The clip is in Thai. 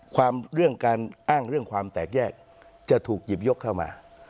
เรื่องการอ้างเรื่องความแตกแยกจะถูกหยิบยกเข้ามา